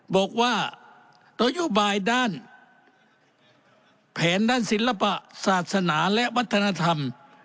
บอกว่านโยบายด้านแผนด้านศิลปศาสนาและวัฒนธรรม